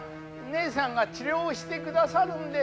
ねえさんが治療してくださるんで。